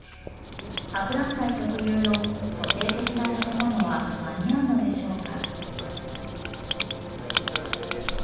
博覧会特有の個性的な建物は間に合うのでしょうか。